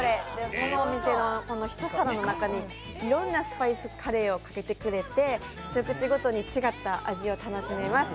このお店の一皿の中にいろんなスパイスカレーをかけてくれて一口ごとに違った味を楽しめます。